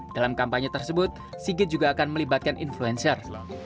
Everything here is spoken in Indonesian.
dalam kampanye tersebut sigit juga akan melibatkan influencer